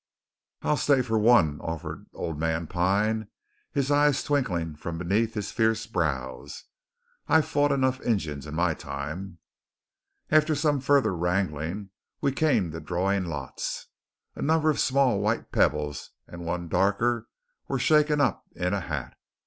"I'll stay, fer one," offered old man Pine, his eyes twinkling from beneath his fierce brows. "I've fit enough Injuns in my time." After some further wrangling we came to drawing lots. A number of small white pebbles and one darker were shaken up in a hat.